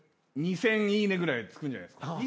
２，０００いいねぐらいつくんじゃないですか？